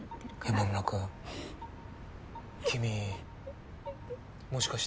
山村くん君もしかして。